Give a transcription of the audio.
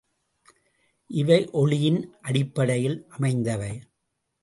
இவை ஒளியின் அடிப்படையில் அமைந்தவை.